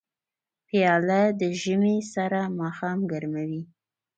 پیاله د ژمي سړه ماښام ګرموي.